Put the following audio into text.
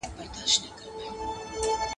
یقین د زړونو قوت دی.